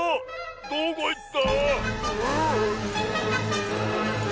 どこいった？